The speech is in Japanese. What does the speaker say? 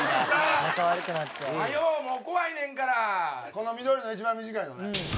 この緑の一番短いのね。